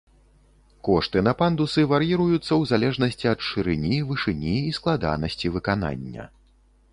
Кошты на пандусы вар'іруюцца ў залежнасці ад шырыні, вышыні і складанасці выканання.